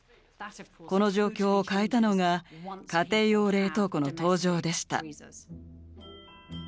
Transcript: この状況を変えたのが家庭用冷凍庫の登場でした。